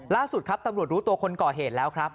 ล่าสุดครับตำรวจรู้ตัวคนก่อเหตุแล้วครับ